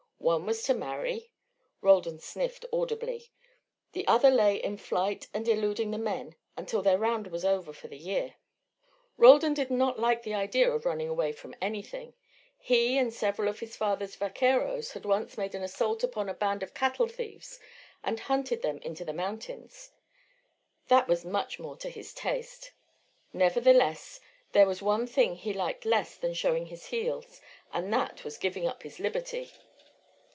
One was to marry Roldan sniffed audibly; the other lay in flight and eluding the men until their round was over for the year. Roldan did not like the idea of running away from anything; he and several of his father's vaqueros had once made an assault upon a band of cattle thieves and hunted them into the mountains: that was much more to his taste. Nevertheless there was one thing he liked less than showing his heels, and that was giving up his liberty.